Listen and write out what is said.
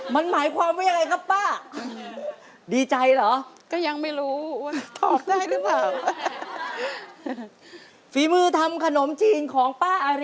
มันหมายความว่าอย่างไรครับป้า